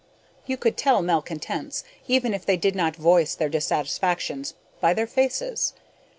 You could tell malcontents, even if they did not voice their dissatisfactions, by their faces.